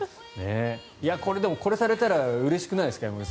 これされたらうれしくないですか？